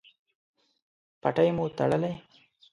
پټۍ مو تړلی؟